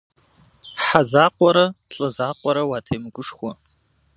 Хьэ закъуэрэ, лӏы закъуэрэ уатемыгушхуэ.